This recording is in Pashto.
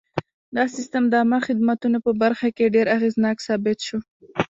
دا سیستم د عامه خدمتونو په برخه کې ډېر اغېزناک ثابت شو.